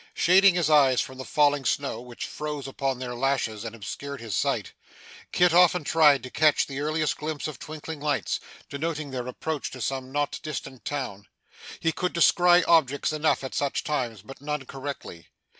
Shading his eyes from the falling snow, which froze upon their lashes and obscured his sight, Kit often tried to catch the earliest glimpse of twinkling lights, denoting their approach to some not distant town. He could descry objects enough at such times, but none correctly.